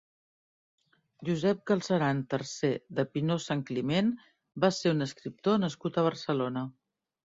Josep Galceran tercer de Pinós-Santcliment va ser un escriptor nascut a Barcelona.